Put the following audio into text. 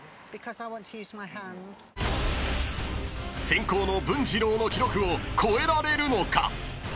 ［先攻の文治郎の記録を超えられるのか？］